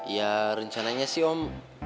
ya rencananya sih om